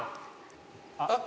・あっ。